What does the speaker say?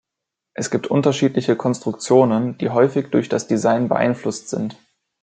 Es gibt unterschiedliche Konstruktionen, die häufig durch das Design beeinflusst sind.